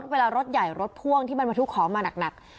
เวลารถใหญ่รถพ่วงที่มันมาทุกของมาหนัก